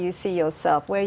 sepuluh tahun dari sekarang